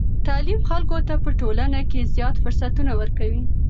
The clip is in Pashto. تعلیم خلکو ته په ټولنه کې زیاتو فرصتونو ورکوي.